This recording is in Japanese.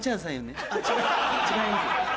違います。